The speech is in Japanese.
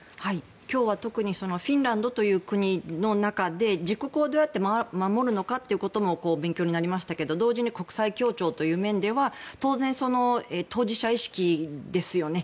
今日は特にフィンランドという国の中で自国をどうやって守るのかということも勉強になりましたけど同時に国際協調という面では当然、当事者意識ですよね。